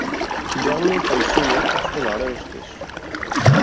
Johnny poi si unì a suonare lo stesso.